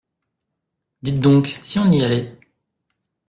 Dites donc, si on y allait ?